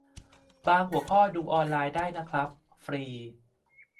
บางหัวข้อดูออนไลนได้นะครับ ฟรี